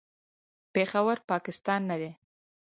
پېښور، پاکستان نه دی.